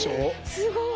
すごい。